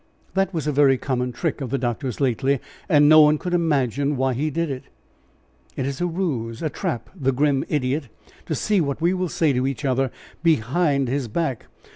That was a very common trick of the doctor's lately, and no one could imagine why he did it. "It is a ruse, a trap, the grim idiot! to see what we will say to each other behind his back.